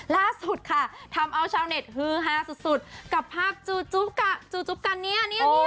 ล่าสุดค่ะทำเอาชาวเน็ตฮือฮาสุดกับภาพจูจุกันเนี่ย